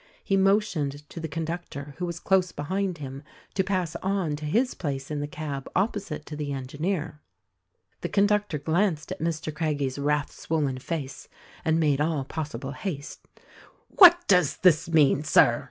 He motioned to the conductor, who was close behind him, to pass on to his place in the cab opposite to the engineer. The conductor glanced at Mr. Craggie's wrath swollen face and made all possible haste. "What does this mean, Sir?"